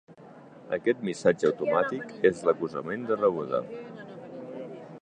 Aquest missatge automàtic és l'acusament de rebuda.